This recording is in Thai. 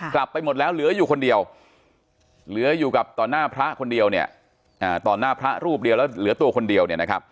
กลับไปหมดแล้วเหลืออยู่คนเดียวเหลืออยู่กับตอนหน้าพระรูปเดียวแล้วเหลือตัวคนเดียว